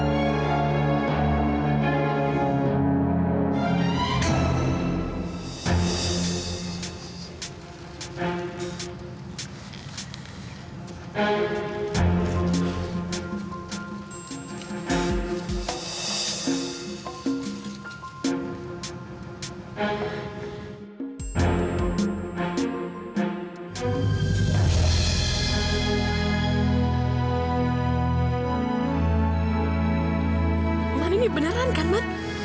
ma ini beneran kan ma